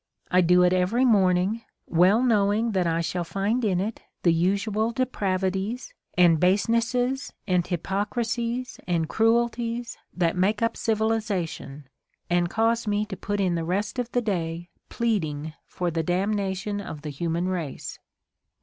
I do it every morning, well knowing that I shall find in it the usual depravities and base nesses and hypocricies and cruelties that make up civil ization and cause me to put in the rest of the day pleading for the damnation of the human race."